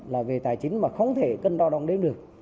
là về tài chính mà không thể cân đo đồng đến được